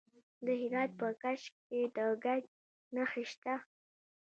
د هرات په کشک کې د ګچ نښې شته.